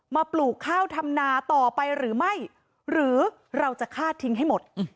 ปลูกข้าวทำนาต่อไปหรือไม่หรือเราจะฆ่าทิ้งให้หมด